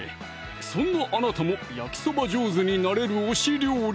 そんなあなたも焼きそば上手になれる推し料理